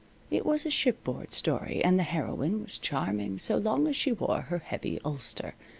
It was a shipboard story, and the heroine was charming so long as she wore her heavy ulster.